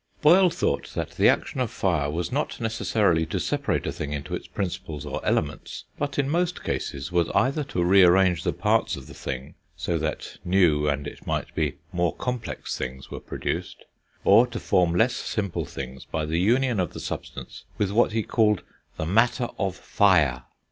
Boyle thought that the action of fire was not necessarily to separate a thing into its principles or elements, but, in most cases, was either to rearrange the parts of the thing, so that new, and it might be, more complex things, were produced, or to form less simple things by the union of the substance with what he called, "the matter of fire."